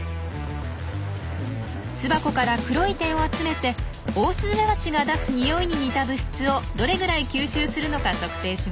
巣箱から黒い点を集めてオオスズメバチが出す匂いに似た物質をどれぐらい吸収するのか測定します。